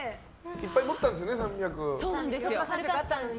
いっぱい持ったんですよね３００。